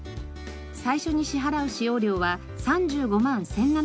最初に支払う使用料は３５万１７５０円から。